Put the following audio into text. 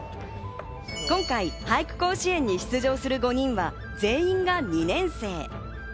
今回、俳句甲子園に出場する５人は全員が２年生。